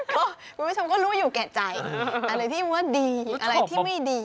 ก็คุณผู้ชมก็รู้อยู่แก่ใจอะไรที่ว่าดีอะไรที่ไม่ดี